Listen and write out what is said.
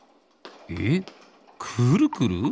えくるくる？